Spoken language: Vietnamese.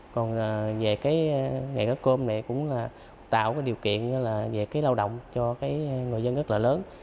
còn về cái ngày cắt cơm này cũng là tạo điều kiện về cái lao động cho người dân rất là lớn